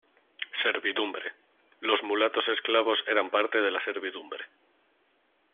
Servidumbre: Los mulatos esclavos eran parte de la servidumbre.